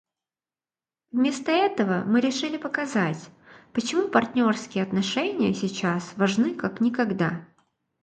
Вместо этого мы решили показать, почему партнерские отношения сейчас важны как никогда.